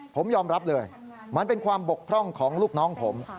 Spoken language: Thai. ผมยอมรับเลยมันเป็นความบกพร่องของลูกน้องผม